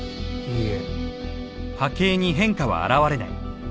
いいえ。